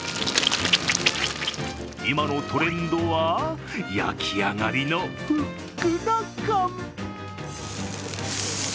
今のトレンドは焼き上がりのふっくら感。